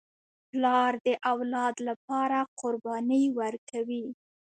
پلار د اولاد لپاره قرباني ورکوي.